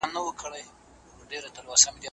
ټولنې تر اوسه ثبات ساتلی دی.